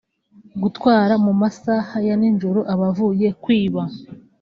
gutwara mu masaha ya nijoro abavuye kwiba